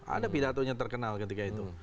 ada pidatonya terkenal ketika itu